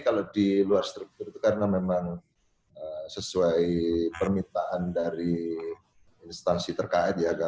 kalau di luar struktur itu karena memang sesuai permintaan dari instansi terkait ya